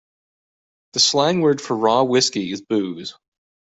The slang word for raw whiskey is booze.